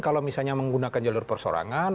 kalau misalnya menggunakan jalur persorangan